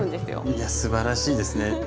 いやすばらしいですね。